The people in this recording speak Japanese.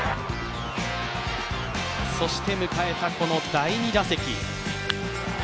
そして迎えた第２打席。